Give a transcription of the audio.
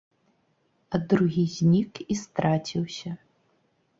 А другі знік і страціўся.